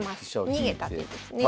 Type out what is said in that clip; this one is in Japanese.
逃げた手ですね。